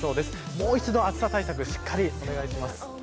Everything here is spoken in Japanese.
もう一度、暑さ対策をしっかりお願いします。